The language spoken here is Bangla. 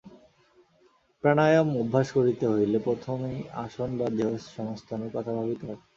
প্রাণায়াম অভ্যাস করিতে হইলে প্রথমেই আসন বা দেহসংস্থানের কথা ভাবিতে হয়।